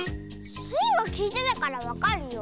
スイはきいてたからわかるよ。